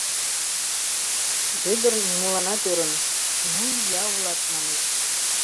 Вӧдыр нимоланат ӧрын: «Ну, ия улат», — манеш.